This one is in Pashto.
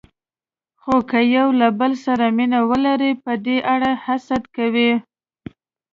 خو که یو له بل سره مینه ولري، په دې اړه حسد کوي.